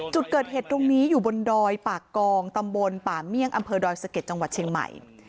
จุดเกิดเหตุตรงนี้อยู่บนดอยปากกองตำบลป่าเมี่ยงอำเภอดอยสะเก็ดจังหวัดเชียงใหม่